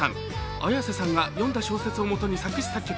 Ａｙａｓｅさんが読んだ小説をもとに作詞作曲。